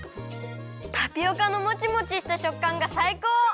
タピオカのモチモチしたしょっかんがさいこう！